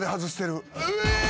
え！？